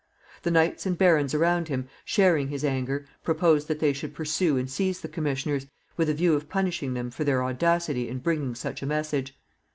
The knights and barons around him, sharing his anger, proposed that they should pursue and seize the commissioners, with a view of punishing them for their audacity in bringing such a message.